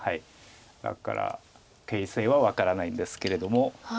だから形勢は分からないんですけれども。